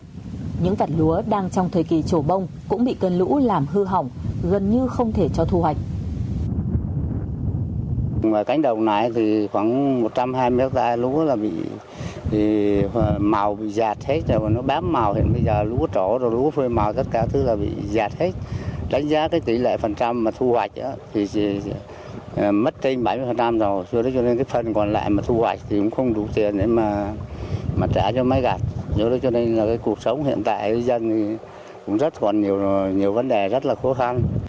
nhưng những vật lúa đang trong thời kỳ trổ bông cũng bị cơn lũ làm hư hỏng gần như không thể cho thu hoạch